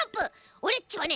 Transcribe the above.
オレっちはね